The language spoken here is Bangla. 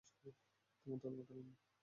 তোমার তলোয়ারটা লম্বা।